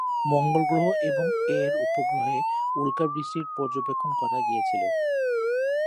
মঙ্গল গ্রহ এবং এর উপগ্রহে উল্কা বৃষ্টি পর্যবেক্ষন করা গিয়েছে।